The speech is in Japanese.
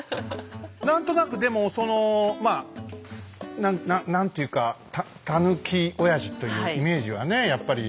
何となくでもそのまあ何ていうかタヌキおやじというイメージはねやっぱりありますから。